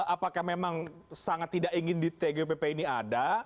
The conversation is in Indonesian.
apakah memang sangat tidak ingin di tgupp ini ada